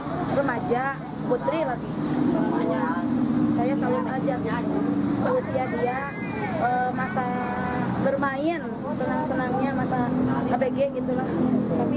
seusia dia masa bermain senang senangnya masa abg gitu lah